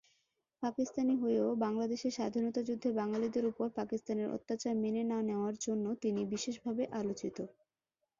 পাকিস্তানি হয়েও বাংলাদেশের স্বাধীনতা যুদ্ধে বাঙালিদের ওপর পাকিস্তানের অত্যাচার মেনে না নেওয়ার জন্য তিনি বিশেষভাবে আলোচিত।